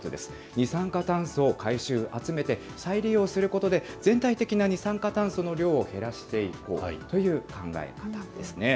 二酸化炭素を回収、集めて、再利用することで、全体的な二酸化炭素の量を減らしていこうという考え方ですね。